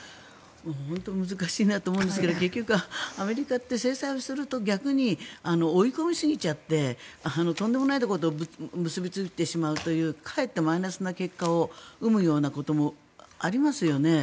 本当に難しいなと思うんですけど結局アメリカって制裁をすると逆に追い込みすぎちゃってとんでもないところと結びついてしまうというかえってマイナスな結果を生むようなこともありますよね。